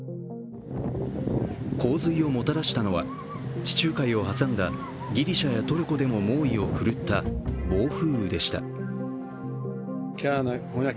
洪水をもたらしたのは地中海を挟んだギリシャやトルコでも猛威を振るった暴風雨でした。